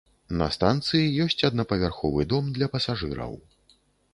На станцыі ёсць аднапавярховы дом для пасажыраў.